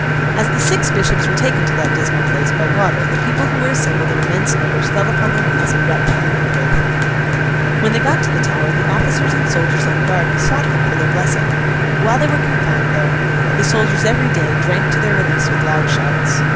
As the six bishops were taken to that dismal place, by water, the people who were assembled in immense numbers fell upon their knees, and wept for them, and prayed for them. When they got to the Tower, the officers and soldiers on guard besought them for their blessing. While they were confined there, the soldiers every day drank to their release with loud shouts.